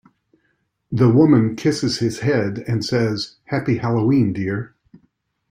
The woman kisses his head and says, Happy Halloween dear.